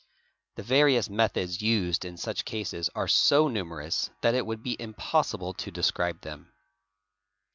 The various methods used in such cases are so numerous that it would _ be impossible to describe them.